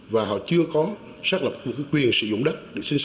và họ chưa có xác lập quyền sử dụng đất